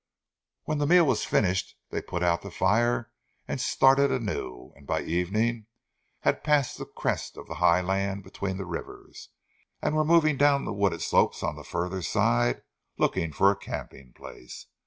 When the meal was finished they put out the fire and started anew, and, by evening, had passed the crest of the high land between the rivers, and were moving down the wooded slopes on the further side looking for a camping place.